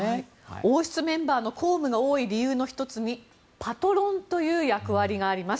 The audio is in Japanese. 王室メンバーの公務が多い理由の１つにパトロンという役割があります。